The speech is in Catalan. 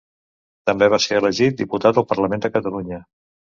També va ser elegit diputat al Parlament de Catalunya.